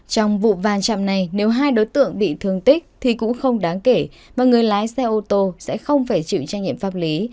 trong vụ va chạm này nếu hai đối tượng bị thương tích thì cũng không đáng kể và người lái xe ô tô sẽ không phải chịu trách nhiệm pháp lý